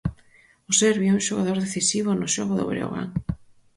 O serbio é un xogador decisivo no xogo do Breogán.